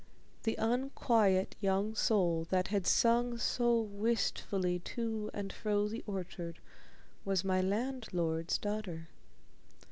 The unquiet young soul that had sung so wistfully to and fro the orchard was my landlord's daughter.